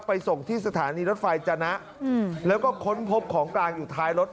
ส่งที่สถานีรถไฟจนะแล้วก็ค้นพบของกลางอยู่ท้ายรถ